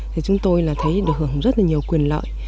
thì chúng tôi thấy được hưởng rất nhiều quyền lợi